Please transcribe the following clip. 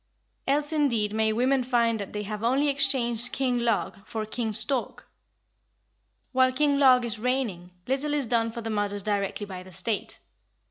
Else indeed may women find that they have only exchanged King Log for King Stork. While King Log is reigning, little is done for the mothers directly by the State.